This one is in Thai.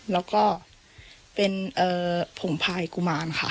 แล้วก็เป็นผงพายกุมารค่ะ